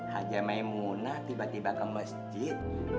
hajamai muna tiba tiba ke masjid